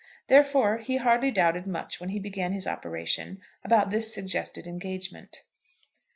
Therefore he hardly doubted much when he began his operation about this suggested engagement.